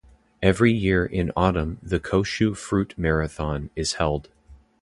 Every year in Autumn the "Koshu Fruit Marathon" is held.